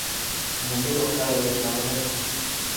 عمومي روغتیا د ورزش له امله ښه کېږي.